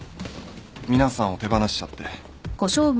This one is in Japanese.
皆さんを手放しちゃって。